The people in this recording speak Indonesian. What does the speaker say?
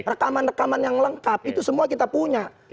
rekaman rekaman yang lengkap itu semua kita punya